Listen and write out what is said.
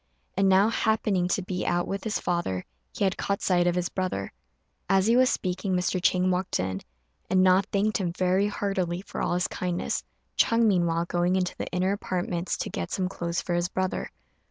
And now, happening to be out with his father, he had caught sight of his brother. As he was speaking Mr. Chang walked in, and Na thanked him very heartily for all his kindness; Ch'êng, meanwhile, going into the inner apartments to get some clothes for his brother.